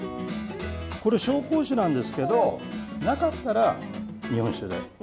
これ紹興酒なんですけど、なかったら日本酒で大丈夫です。